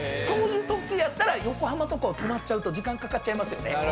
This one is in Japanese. そういう特急やったら横浜とかを止まっちゃうと時間かかっちゃいますよね。